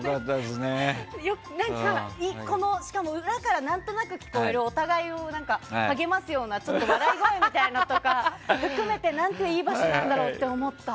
何か、裏から何となく聞こえるお互いを励ますような笑い声みたいなのとか含めて何ていい場所なんだろうって思った。